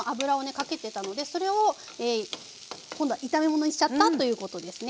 かけてたのでそれを今度は炒めものにしちゃったということですね。